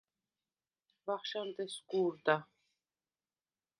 ვახშამდ ესგუ̄რდა.